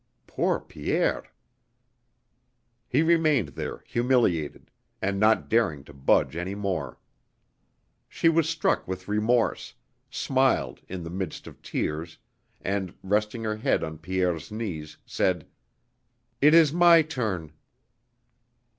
Poor Pierre!... He remained there, humiliated, and not daring to budge any more. She was struck with remorse, smiled in the midst of tears and, resting her head on Pierre's knees, said: "It is my turn!"